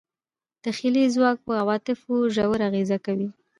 تخیلي ځواک په عواطفو ژور اغېز کوي.